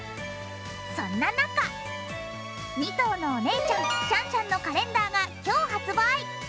そんな中、２頭のお姉ちゃん、シャンシャンのカレンダーが今日発売。